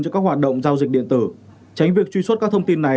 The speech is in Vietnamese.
cho các hoạt động giao dịch điện tử tránh việc truy xuất các thông tin này